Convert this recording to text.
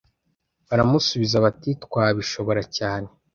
Baramusubiza bati ‘Twabishobora cyane